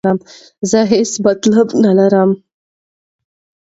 زه هیڅ مطلب نه لرم.